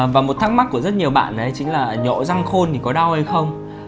và một thắc mắc của rất nhiều bạn đấy chính là nhộ răng khôn thì có đau hay không